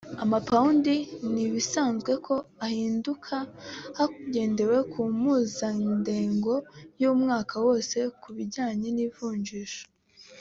ama-pound ni ibisanzwe ko ahinduka hagendewe ku mpuzandengo y’umwaka wose ku bijyanye n’ivunjisha